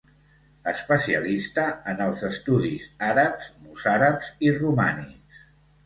Especialista en els estudis àrabs, mossàrabs i romànics.